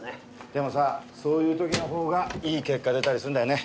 でもさそういう時の方がいい結果出たりするんだよね。